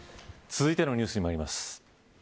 続いてのニュースにまいります。